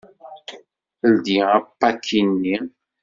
Ldi apaki-nni.